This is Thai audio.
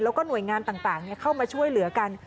แล้วก็หน่วยงานต่างเข้ามาช่วยเหลือกัน